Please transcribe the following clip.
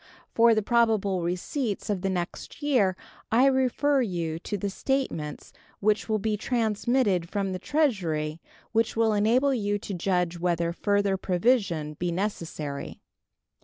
For the probable receipts of the next year I refer you to the statements which will be transmitted from the Treasury, which will enable you to judge whether further provision be necessary.